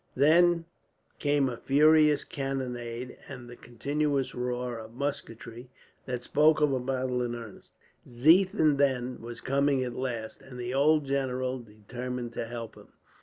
Then came a furious cannonade, and the continuous roar of musketry that spoke of a battle in earnest. Ziethen, then, was coming at last, and the old general determined to help him.